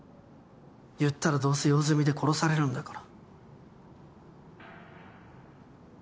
言ったらどうせ用済みで殺されるんだから。